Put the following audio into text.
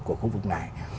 của khu vực này